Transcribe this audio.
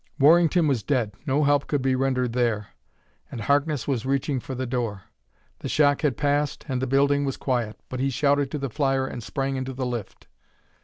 Warrington was dead no help could be rendered there and Harkness was reaching for the door. The shock had passed, and the building was quiet, but he shouted to the flyer and sprang into the lift.